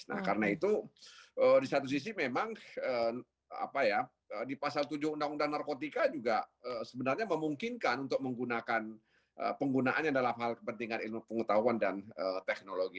nah karena itu di satu sisi memang di pasal tujuh undang undang narkotika juga sebenarnya memungkinkan untuk menggunakan penggunaannya dalam hal kepentingan ilmu pengetahuan dan teknologi